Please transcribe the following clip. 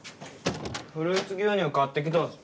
フルーツ牛乳買ってきたぞ。